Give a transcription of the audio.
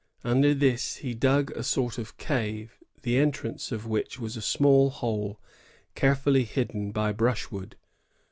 Under this he dug a sort of cave, the entrance of which was a small hole carefully hidden by farushwood.